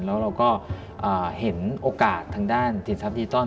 แล้วเราก็เห็นโอกาสทางด้านจิตทรัพดิจอล